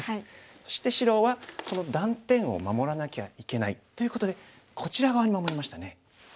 そして白はこの断点を守らなきゃいけないということでこちら側に守りましたね。